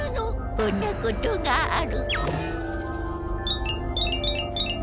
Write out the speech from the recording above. こんなことがある。